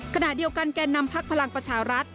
ขณะเดียวกันแก่นำพักพลังประชารัฐ